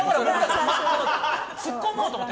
ツッコもうと思って。